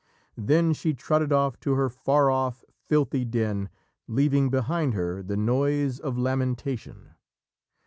Then she trotted off to her far off, filthy den, leaving behind her the noise of lamentation.